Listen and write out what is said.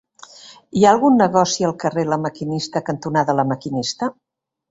Hi ha algun negoci al carrer La Maquinista cantonada La Maquinista?